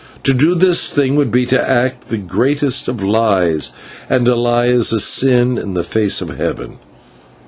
To do this thing would be to act the greatest of lies and a lie is a sin in the face of heaven.